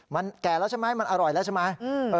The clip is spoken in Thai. มันแก่แล้วใช่ไหมมันอร่อยแล้วใช่ไหม